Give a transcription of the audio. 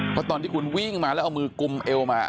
เพราะตอนที่คุณวิ่งมาแล้วเอามือกุมเอวมา